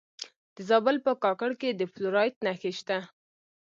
د زابل په کاکړ کې د فلورایټ نښې شته.